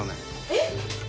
えっ？